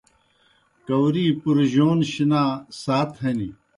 کاؤری پُرجَون شنا سات ہنیْ۔